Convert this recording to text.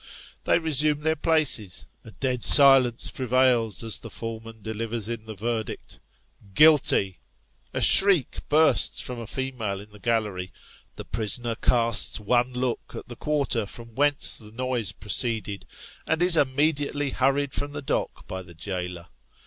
They resume their places a dead silence prevails as the foreman delivers in the verdict " Guilty !" A shriek bursts from a female in the gallery ; the prisoner casts one look at the quarter from whence the noise proceeded ; and is immediately hurried from the dock by the jailer.